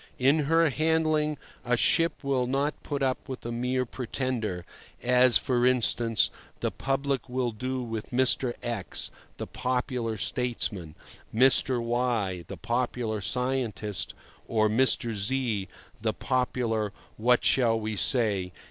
In her handling a ship will not put up with a mere pretender, as, for instance, the public will do with Mr. X, the popular statesman, Mr. Y, the popular scientist, or Mr. Z, the popular—what shall we say?